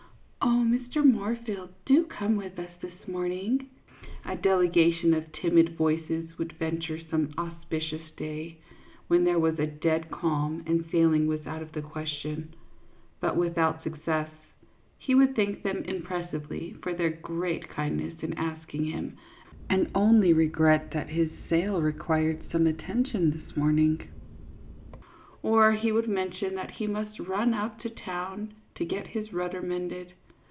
" Oh, Mr. Moorfield, do come with us this morn ing !" a delegation of timid voices would venture some auspicious day, when there was a dead calm and sailing was out of the question, but without success. He would thank them impressively for their great kindness in asking him, and only regret that his sail required some attention this morning, CLYDE MOORFIELD, YACHTSMAN. 39 or he would mention that he must run up to town to get his rudder mended.